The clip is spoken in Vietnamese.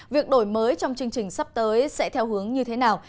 việc đổi mới trong chương trình sắp tới sẽ theo hướng như thế nào